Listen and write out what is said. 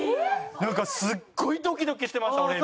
なんかすっごいドキドキしてました俺今。